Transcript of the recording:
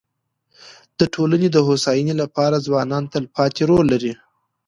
د ټولني د هوسايني لپاره ځوانان تلپاتي رول لري.